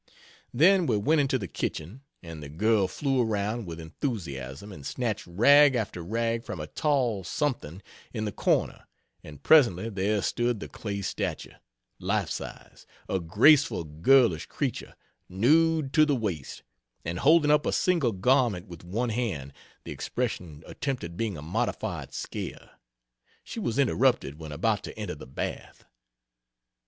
Then we went into the kitchen, and the girl flew around, with enthusiasm, and snatched rag after rag from a tall something in the corner, and presently there stood the clay statue, life size a graceful girlish creature, nude to the waist, and holding up a single garment with one hand the expression attempted being a modified scare she was interrupted when about to enter the bath.